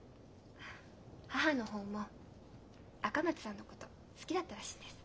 母の方も赤松さんのこと好きだったらしいんです。